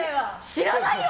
知らないよ！